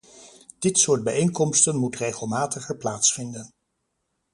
Dit soort bijeenkomsten moet regelmatiger plaatsvinden.